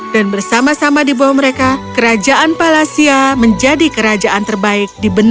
dan bersama sama di bawah mereka kerajaan palasia menjadi kerajaan terbaik di benua ini